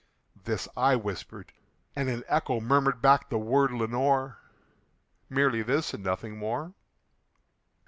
This I whispered, and an echo murmured back the word, "Lenore!" Merely this and nothing more.